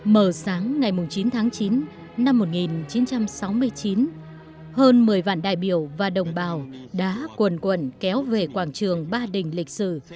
mở sáng ngày chín tháng chín năm một nghìn chín trăm sáu mươi chín hơn một mươi vạn đại biểu và đồng bào đã quần cuộn kéo về quảng trường ba đình lịch sử